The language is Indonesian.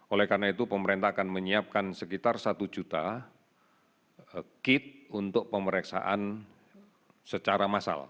oleh karena itu pemerintah akan menyiapkan sekitar satu juta kit untuk pemeriksaan secara massal